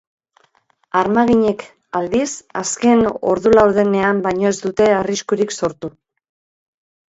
Armaginek, aldiz, azken ordu laurdenean baino ez dute arriskurik sortu.